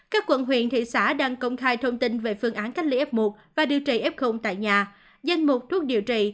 các quận huyện thị xã đang công khai thông tin về phương án cách ly f một và điều trị f tại nhà danh mục thuốc điều trị